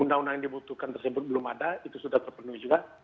undang undang yang dibutuhkan tersebut belum ada itu sudah terpenuhi juga